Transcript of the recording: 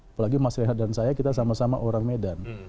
apalagi mas rehat dan saya kita sama sama orang medan